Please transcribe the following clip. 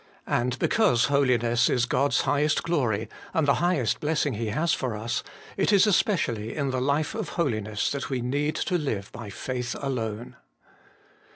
And because Holiness is God's highest glory, and the highest blessing He has for us, it is especially in the life of holiness that we need to live by faith alone.